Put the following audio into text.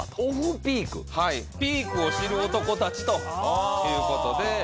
ピークを知る男たちということで。